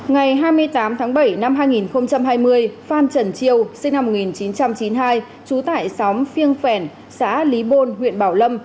ngày hai mươi tám tháng bảy năm hai nghìn hai mươi phan trần chiêu sinh năm một nghìn chín trăm chín mươi hai trú tại xóm phiêng phèn xã lý bôn huyện bảo lâm